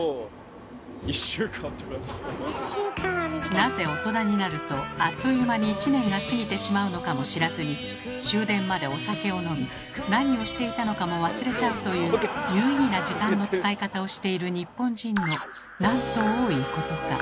なぜ大人になるとあっという間に１年が過ぎてしまうのかも知らずに終電までお酒を飲み何をしていたのかも忘れちゃうという有意義な時間の使い方をしている日本人のなんと多いことか。